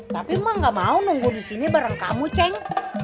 tapi mak gak mau nunggu disini bareng kamu ceng